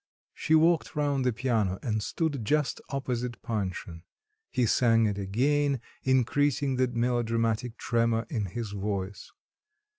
She walked round the piano and stood just opposite Panshin. He sang it again, increasing the melodramatic tremor in his voice.